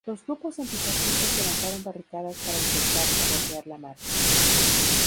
Los grupos antifascistas levantaron barricadas para intentar sabotear la marcha.